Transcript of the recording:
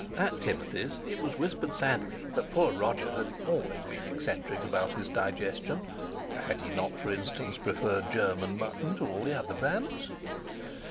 At Timothy's it was whispered sadly that poor Roger had always been eccentric about his digestion—had he not, for instance, preferred German mutton to all the other brands?